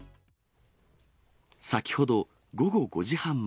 先ほど午後５時半前。